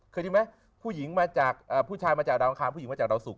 เคยดิมั้ยผู้ชายมาจากดาวอังคารผู้หญิงมาจากดาวสุข